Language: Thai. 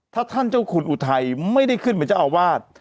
ถ้าท่านเจ้าคุณอุทัยไม่ได้ขึ้นเป็นเจ้าอาวาส